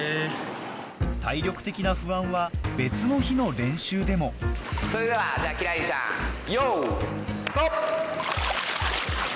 体力的な不安は別の日の練習でもそれでは輝星ちゃんよいドン！